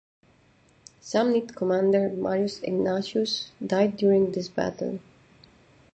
Samnite commander Marius Egnatius died during this battle.